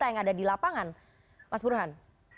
apa yang ada di lapangan mas buruhan